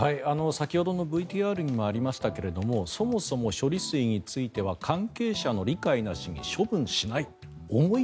先ほどのＶＴＲにもありましたがそもそも処理水については関係者の理解なしに処分しないという思い